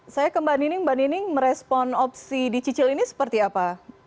saya ke mbak nining mbak nining merespon opsi dicicil ini seperti apa